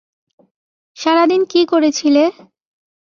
সারাদিন কী করেছিলে?